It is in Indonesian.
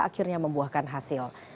akhirnya membuahkan hasil